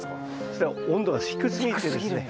それは温度が低すぎてですね。